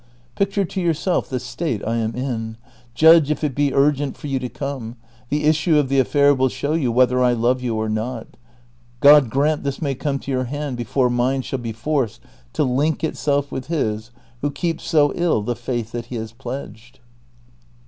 Picture to j'Ourself the state I am in ; judge if it be urgent for you to come ; the issue of the affair will show you whether I love you or not. God grant tliis may come to your hand before mine shall be forced to Hnk itself with liis who keeps so ill the faith that he has pledged."